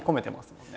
もんね